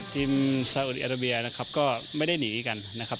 ซาอุดีอาราเบียนะครับก็ไม่ได้หนีกันนะครับ